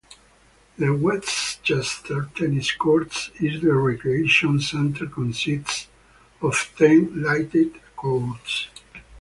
The Westchester Tennis Courts in the recreation center consist of ten lighted courts.